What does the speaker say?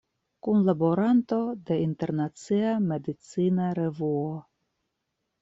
Kunlaboranto de Internacia Medicina Revuo.